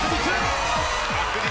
確実！